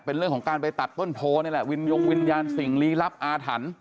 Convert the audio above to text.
เป็นเรื่องของการไปตัดต้นโพนี่แหละวินยงวิญญาณสิ่งลี้ลับอาถรรพ์